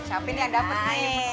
siapin yang dapet nih